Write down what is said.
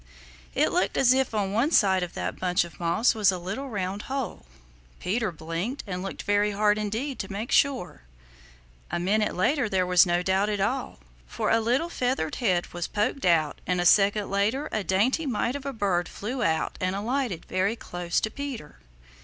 It looked as if in one side of that bunch of moss was a little round hole. Peter blinked and looked very hard indeed to make sure. A minute later there was no doubt at all, for a little feathered head was poked out and a second later a dainty mite of a bird flew out and alighted very close to Peter.